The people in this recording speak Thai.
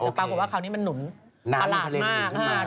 แต่ปรากฏว่าคราวนี้มันหนุนประหลาดมาก